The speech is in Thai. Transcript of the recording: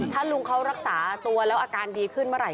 ถ้าลุงเขารักษาตัวแล้วอาการดีขึ้นเมื่อไห